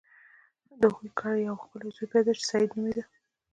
د هغوی کره یو ښکلی زوی پیدا شو چې سید نومیده.